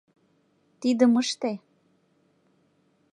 Тидым ыште: